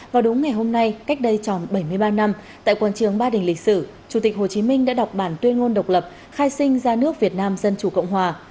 vào đúng ngày hôm nay cách đây tròn bảy mươi ba năm tại quân trường ba đình lịch sử chủ tịch hồ chí minh đã đọc bản tuyên ngôn độc lập khai sinh ra nước việt nam dân chủ cộng hòa